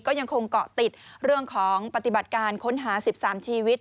ก็ยังคงเกาะติดเรื่องของปฏิบัติการค้นหา๑๓ชีวิต